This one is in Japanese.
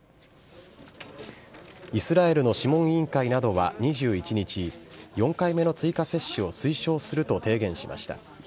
イスラエルの諮問委員会などは２１日、４回目の追加接種を推奨すると提言しました。